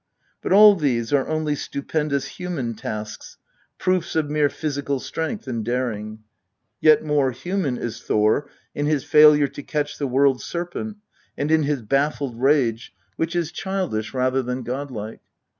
But all these are only stupendous human tasks, proofs of mere physical strength and daring ; yet more human is Thor in his failure to catch the World Serpent and in his baffled rage, which is THE POETIC EDDA. childish rather than godlike.